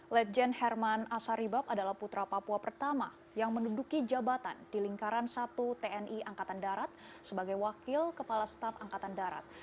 legend herman asaribab adalah putra papua pertama yang menduduki jabatan di lingkaran satu tni angkatan darat sebagai wakil kepala staf angkatan darat